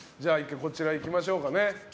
こちら、いきましょうかね。